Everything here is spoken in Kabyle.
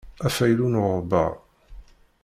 Afaylu n weɣbaṛ.